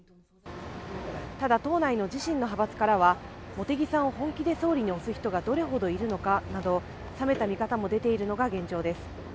ただ党内の自身の派閥からは茂木さんを本気で総理に推す人がどれほどいるのかなど、冷めた見方も出ているのが現状です。